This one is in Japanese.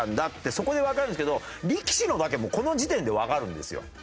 そこでわかるんですけど力士のだけこの時点でわかるんですよ。